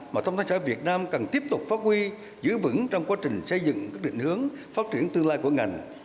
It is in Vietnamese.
mà thông tấn xã việt nam cần tiếp tục phát huy giữ vững trong quá trình xây dựng các định hướng phát triển tương lai của ngành